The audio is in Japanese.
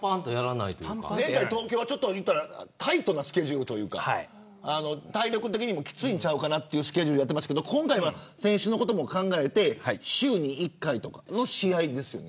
前回の東京はタイトなスケジュールというか体力的にもきついんちゃうかなというスケジュールだったけど今回は選手のことも考えて週に１回とかの試合ですよね。